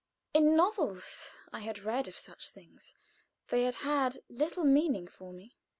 In novels I had read of such things; they had had little meaning for me.